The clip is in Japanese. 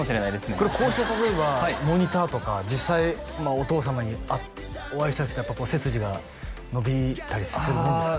これこうして例えばモニターとか実際お父様にお会いしたりするとやっぱこう背筋が伸びたりするもんですか？